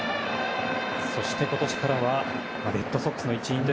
そして今年からはレッドソックスの一員と。